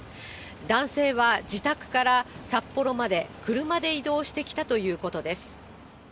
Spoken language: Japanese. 男性は自宅から札幌まで車で移動してきたということです。